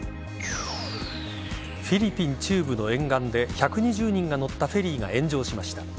フィリピン中部の沿岸で１２０人が乗ったフェリーが炎上しました。